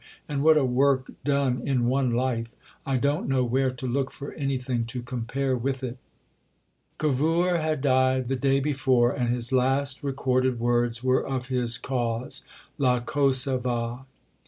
and what a work done in one life! I don't know where to look for anything to compare with it. Cavour had died the day before, and his last recorded words were of his Cause: la cosa va.